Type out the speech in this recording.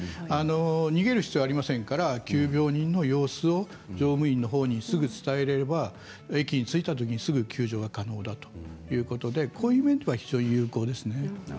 逃げる必要はありませんから急病人の様子を乗務員にすぐ伝えれば駅に着いたときにすぐに救助が可能だということでこういう面では非常に有効ですね。